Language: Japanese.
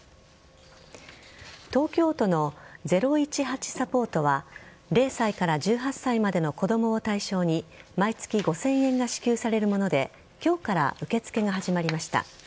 東京都の０１８サポートは０歳から１８歳までの子供を対象に毎月５０００円が支給されるもので今日から受け付けが始まりました。